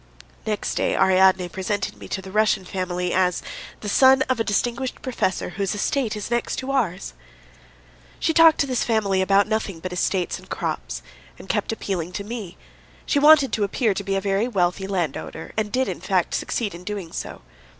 Next day Ariadne presented me to the Russian family as: "The son of a distinguished professor whose estate is next to ours." She talked to this family about nothing but estates and crops, and kept appealing to me. She wanted to appear to be a very wealthy landowner, and did, in fact, succeed in doing so.